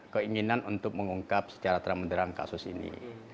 keinginan untuk mengungkap secara terang benerang kasus ini